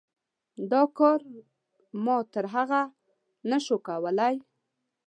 دا کار ما تر هغه نه شو کولی.